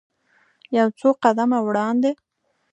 یو څو قدمه وړاندې.